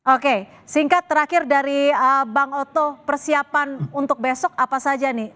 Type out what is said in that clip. oke singkat terakhir dari bang oto persiapan untuk besok apa saja nih